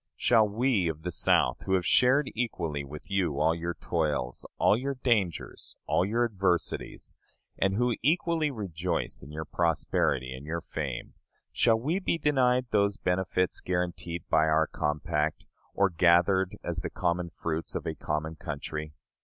Shall we of the South, who have shared equally with you all your toils, all your dangers, all your adversities, and who equally rejoice in your prosperity and your fame shall we be denied those benefits guaranteed by our compact, or gathered as the common fruits of a common country?